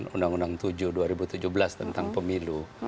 undang undang tujuh dua ribu tujuh belas tentang pemilu